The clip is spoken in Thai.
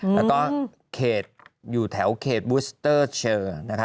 แล้วก็เขตอยู่แถวเขตบูสเตอร์เชอร์นะคะ